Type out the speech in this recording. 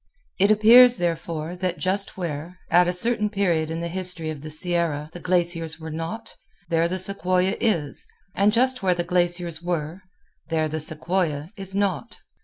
It appears, therefore, that just where, at a certain period in the history of the Sierra, the glaciers were not, there the sequoia is, and just where the glaciers were, there the sequoia is not.